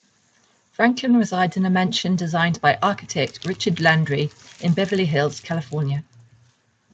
Franklin resides in a mansion designed by architect Richard Landry in Beverly Hills, California.